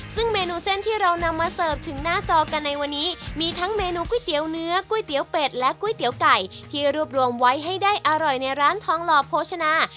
ซึ่งเมนูเส้นที่เรานำมาเสิร์ฟถึงหน้าจอกันในวันนี้มีทั้งเมนูก๋วยเตี๋ยวเนื้อก๋วยเตี๋ยวเป็ดและก๋วยเตี๋ยวไก่ที่รวบรวมไว้ให้ได้อร่อยในร้านทองหล่อโภชนา